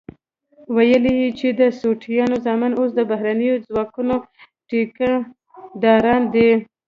ويل يې چې د سوټيانو زامن اوس د بهرنيو ځواکونو ټيکه داران دي.